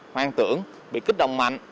hoang tưởng bị kích động mạnh